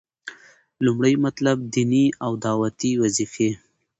لومړی مطلب - ديني او دعوتي وظيفي: